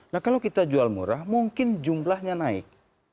nah kalau kita jual murah mungkin jumlahnya naik